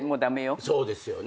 そうですよね。